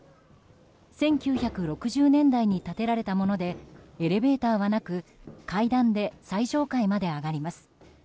１９６０年代に建てられたものでエレベーターはなく階段で最上階まで上がります。